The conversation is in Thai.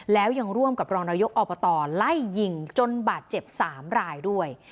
แล้วยังร่วมกับรองนายกอบตไล่ยิงจนบาดเจ็บ๓รายด้วย